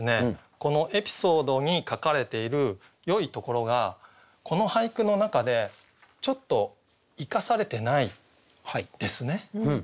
このエピソードに書かれているよいところがこの俳句の中でちょっと生かされてないですね。